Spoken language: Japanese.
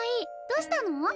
どうしたの？